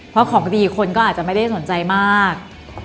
เพราะของดีคนก็อาจจะไม่ได้สนใจมาก